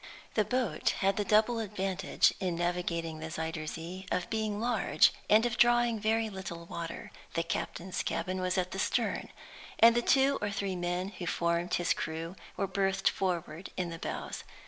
The boat had the double advantage, in navigating the Zuyder Zee, of being large, and of drawing very little water; the captain's cabin was at the stern; and the two or three men who formed his crew were berthed forward, in the bows.